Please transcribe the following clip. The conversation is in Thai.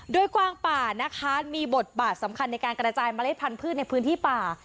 โดยกวางป่านะคะมีบทบาทสำคัญในการกระจายเมล็ดพันธุ์ในพื้นที่ป่า